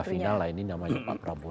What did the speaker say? final lah ini namanya pak prabowo